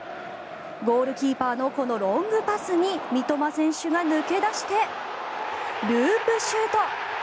ゴールキーパーのこのロングパスに三笘選手が抜け出してループシュート。